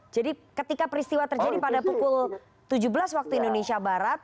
jadi ketika peristiwa terjadi pada pukul tujuh belas waktu indonesia barat